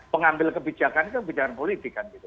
pengambil kebijakan itu kebijakan politik kan